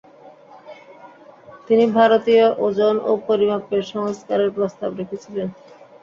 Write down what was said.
তিনি ভারতীয় ওজন ও পরিমাপের সংস্কারের প্রস্তাব রেখেছিলেন।